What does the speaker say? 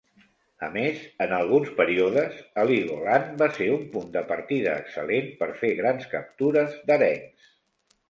A més, en alguns períodes, Heligoland va ser un punt de partida excel·lent per fer grans captures d'arengs.